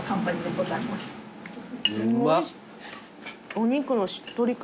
お肉のしっとり感。